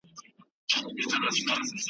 په خپل عقل او په پوهه دنیادار یې .